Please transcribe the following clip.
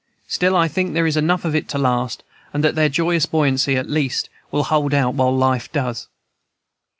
Still, I think there is enough of it to last, and that their joyous buoyancy, at least, will hold out while life does.